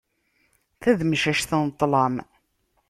Tademcact n ṭlam.